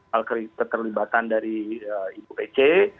hal keterlibatan dari ibu pece